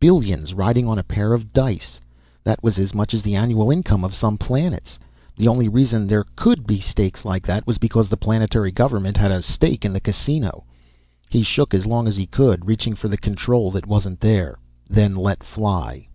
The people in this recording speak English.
Billions riding on a pair of dice. That was as much as the annual income of some planets. The only reason there could be stakes like that was because the planetary government had a stake in the Casino. He shook as long as he could, reaching for the control that wasn't there then let fly.